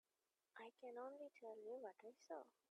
I can only tell you what I saw.